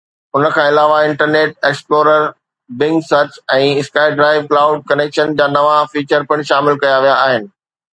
ان کان علاوه internet explorer, Bing search ۽ SkyDrive cloud connection جا نوان فيچر پڻ شامل ڪيا ويا آهن.